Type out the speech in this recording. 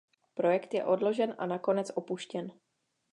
Projekt je odložen a nakonec opuštěn.